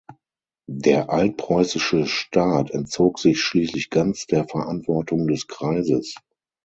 Der altpreußische Staat entzog sich schließlich ganz der Verantwortung des Kreises.